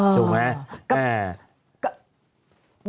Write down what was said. ถูกไหม